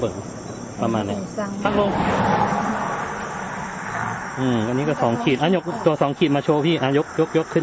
อืมอันนี้ก็สองขีดอะยกตัวสองขีดมาโชว์พี่อะยกยกยกขึ้น